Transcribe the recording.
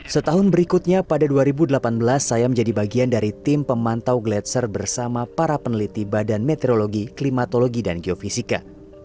setahun berikutnya pada dua ribu delapan belas saya menjadi bagian dari tim pemantau gladser bersama para peneliti badan meteorologi klimatologi dan geofisika